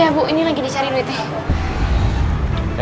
ya bu ini lagi dicari duitnya